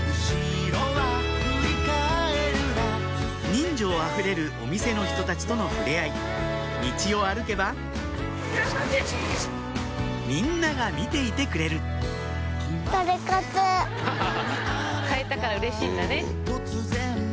人情あふれるお店の人たちとの触れ合い道を歩けばみんなが見ていてくれる買えたからうれしいんだね。